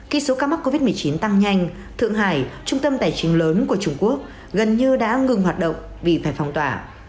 khi số ca mắc covid một mươi chín tăng nhanh thượng hải trung tâm tài chính lớn của trung quốc gần như đã ngừng hoạt động vì phải phong tỏa